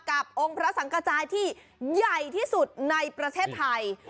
องค์พระสังกระจายที่ใหญ่ที่สุดในประเทศไทย